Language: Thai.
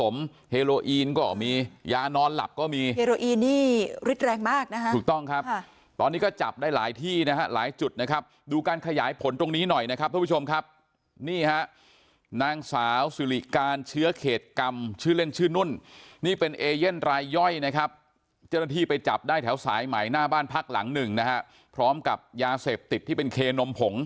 มียานอนหลับก็มีเฮโรอีนี่ริดแรงมากนะฮะถูกต้องครับตอนนี้ก็จับได้หลายที่นะฮะหลายจุดนะครับดูการขยายผลตรงนี้หน่อยนะครับผู้ชมครับนี่ฮะนางสาวสิริการเชื้อเขตกรรมชื่อเล่นชื่อนุ่นนี่เป็นเอเย่นรายย่อยนะครับเจ้าหน้าที่ไปจับได้แถวสายใหม่หน้าบ้านพักหลังหนึ่งนะฮะพร้อมกับยาเสพติดที่เป็น